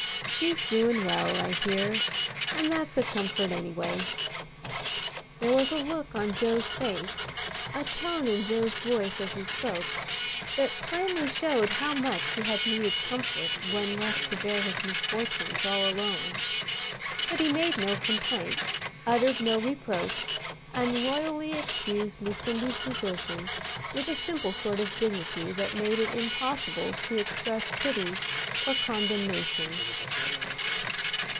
She's doin' well, I hear, and that's a comfort anyway." There was a look on Joe's face, a tone in Joe's voice as he spoke, that plainly showed how much he had needed comfort when left to bear his misfortunes all alone. But he made no complaint, uttered no reproach, and loyally excused Lucindy's desertion with a simple sort of dignity that made it impossible to express pity or condemnation.